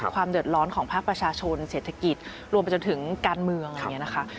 ความเดือดร้อนของภาคประชาชนเศรษฐกิจรวมไปจนถึงการเมืองอะไรอย่างนี้นะคะ